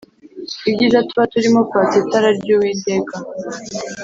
Ibyiza tuba turimo kwatsa itara ryuwiteka